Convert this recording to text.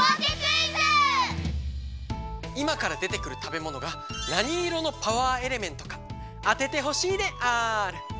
いまからでてくるたべものが何色のパワーエレメントかあててほしいである。